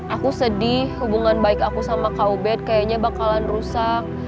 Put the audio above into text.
aku sedih hubungan baik aku sama kak ubed kayaknya bakalan rusak